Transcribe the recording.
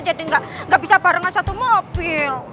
jadi gak bisa barengan satu mobil